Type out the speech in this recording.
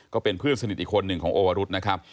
ก็เป็นเพื่อนสนิทอีกคนหนึ่งของโอวรุษนะครับ